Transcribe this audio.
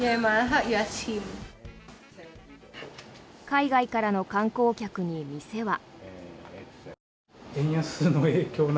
海外からの観光客に、店は。